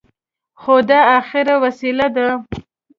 خو دا اخري وسيله ده.